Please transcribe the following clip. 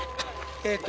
えーっと。